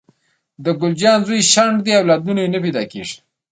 د ګل اجان زوی شنډ دې اولادونه یي نه پیداکیږي